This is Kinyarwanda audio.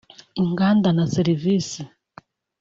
inganda na serivisi